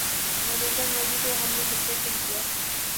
نریندر مودی کو ہم نے ہٹلر کہہ دیا۔